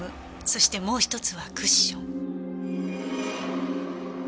そしてもう１つはクッション。